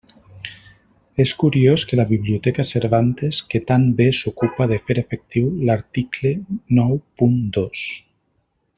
És curiós que la Biblioteca Cervantes, que tan bé s'ocupa de fer efectiu l'article nou punt dos.